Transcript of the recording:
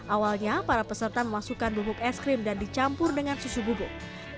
awalnya para peserta memasukkan bubuk es krim dan dicampur dengan susu bubuk